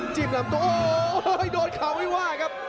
ลำตัวโอ้โหโดนเข่าไม่ว่าครับ